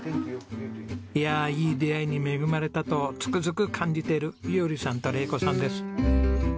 いやあいい出会いに恵まれたとつくづく感じている衣織さんと玲子さんです。